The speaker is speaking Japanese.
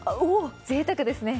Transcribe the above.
おお、ぜいたくですね。